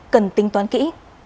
cần tính toán kỹ